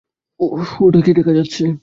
ওটা কী দেখা যাচ্ছে?